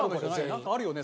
なんかあるよね？